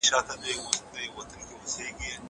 ميوې د زهشوم له خوا خورل کيږي!!